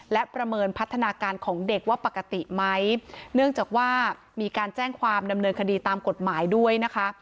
และประเมินพัฒนาการของเด็กว่าปกติไหมเนื่องจากว่ามีการแจ้งความดำเนินคดีตามกฎหมายด้วยนะคะ